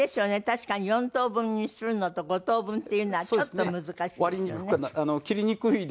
確かに４等分にするのと５等分っていうのはちょっと難しいですよね。